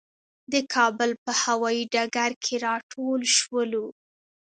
د کابل په هوايي ډګر کې راټول شولو.